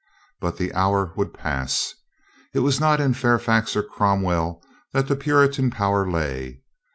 But the hour would pass. It was not in Fairfax or Cromwell that the Puritan power lay.